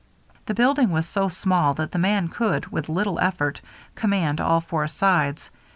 The building was so small that the man could, with little effort, command all four sides.